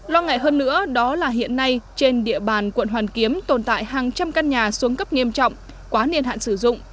lo ngại hơn nữa đó là hiện nay trên địa bàn quận hoàn kiếm tồn tại hàng trăm căn nhà xuống cấp nghiêm trọng quá niên hạn sử dụng